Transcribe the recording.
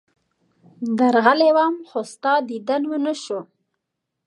درغلی وم، خو ستا دیدن ونه شو.